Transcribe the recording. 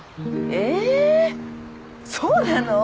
えそうなの？